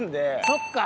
そっか！